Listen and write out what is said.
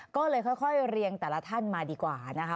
ก็เลยค่อยเรียงแต่ละท่านมาดีกว่านะคะ